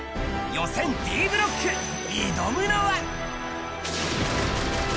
予選Ｄブロック、挑むのは。